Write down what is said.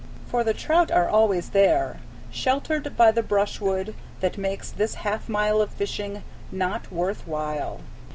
For the trout are always there, sheltered by the brushwood that makes this half mile of fishing "not worth while."